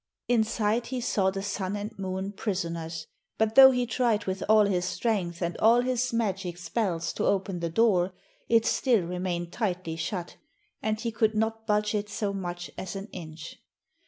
Inside he saw the Sun and Moon prisoners, but though he tried with all his strength and all his magic spells to open the door, it still remained tightly shut, and he could not budge it so much as an inch.